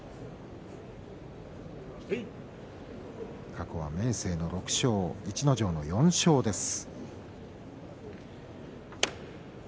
過去は明生６勝逸ノ城の４勝です。